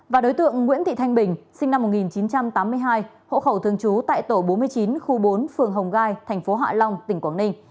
và đối tượng nguyễn thị thanh bình sinh năm một nghìn chín trăm tám mươi hai hộ khẩu thường trú tại tổ bốn mươi chín khu bốn phường hồng gai thành phố hạ long tỉnh quảng ninh